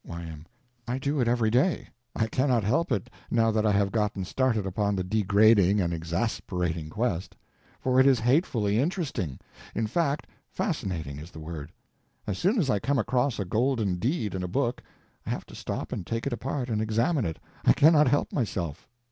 Y.M. I do it every day. I cannot help it, now that I have gotten started upon the degrading and exasperating quest. For it is hatefully interesting!—in fact, fascinating is the word. As soon as I come across a golden deed in a book I have to stop and take it apart and examine it, I cannot help myself.